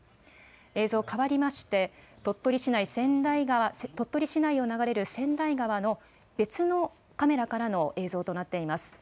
映像、変わりまして、鳥取市内、千代川、鳥取市内を流れる千代川の別のカメラからの映像となっています。